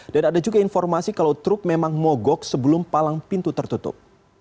dan ada juga informasi kalau truk memang mogok sebelum palang pintu tertutup